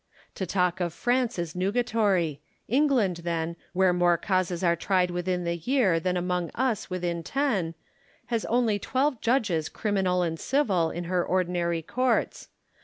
To tiilk of France is nugatory : England then, where GENERAL LACY AND CURA MERINO. 139 more causes are tried within the year than among us within ten, has only twelve judges criminal and civil, in her ordinary courts.